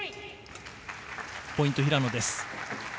ポイント、平野です。